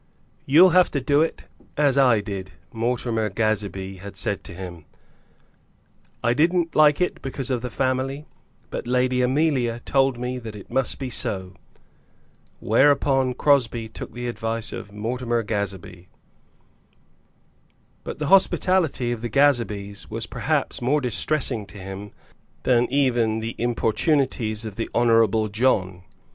"You'll have to do it, as I did," Mortimer Gazebee had said to him; "I didn't like it because of the family, but Lady Amelia told me that it must be so." Whereupon Crosbie took the advice of Mortimer Gazebee. But the hospitality of the Gazebees was perhaps more distressing to him than even the importunities of the Honourable John.